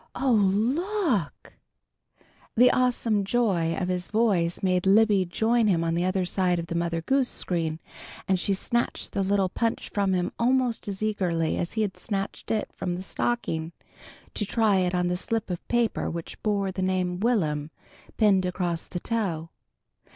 Oh, look!" The awesome joy of his voice made Libby join him on the other side of the Mother Goose screen, and she snatched the little punch from him almost as eagerly as he had snatched it from the stocking, to try it on the slip of paper which bore the name "WILL'M," pinned across the toe.